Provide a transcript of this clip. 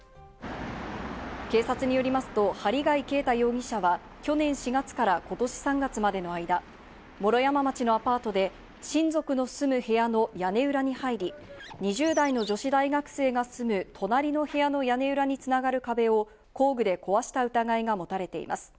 警察によりますと、針谷啓太容疑者は去年４月から今年３月までの間、毛呂山町のアパートで親族の住む部屋の屋根裏に入り、２０代の女子大学生が住む隣の部屋の屋根裏に繋がる壁を工具で壊した疑いがもたれています。